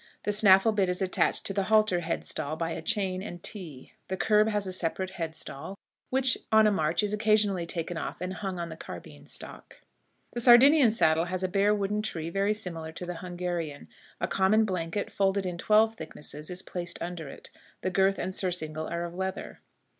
The snaffle bit is attached to the halter head stall by a chain and T; the curb has a separate head stall, which on a march is occasionally taken off and hung on the carbine stock. The Sardinian saddle has a bare wooden tree very similar to the Hungarian. A common blanket, folded in twelve thicknesses, is placed under it. The girth and surcingle are of leather.